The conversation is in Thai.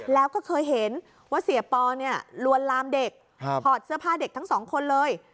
แล้วก็เคยเห็นว่าเสียปอเนี่ยลวนลามเด็กถอดเสื้อผ้าเด็กทั้งสองคนเลย